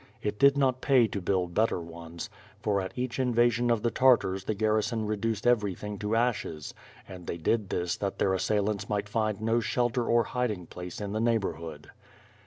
It did not pay to build better ones, for at each invasion of the Tartars the gar rison reduced everything to ashes, and they did this that their assailants might find no shelter or hiding place in the neigh borhood.